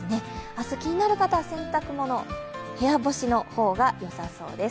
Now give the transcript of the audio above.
明日、気になる方は洗濯物部屋干しの方が良さそうです。